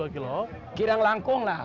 kira kira langkung lah